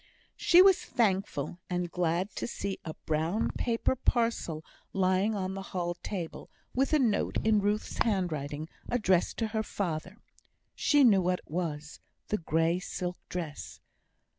She was thankful and glad to see a brown paper parcel lying on the hall table, with a note in Ruth's handwriting, addressed to her father. She knew what it was, the grey silk dress.